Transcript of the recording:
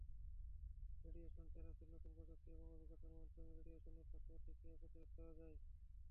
Radiation থেরাপিতে নতুন প্রযুক্তি এবং অভিজ্ঞতার মাধ্যমে রেডিয়েশনের পার্শ্বপ্রতিক্রিয়া প্রতিরোধ করা যায়।